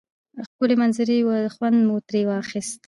ښکلی منظره وه خوند مو تری واخیست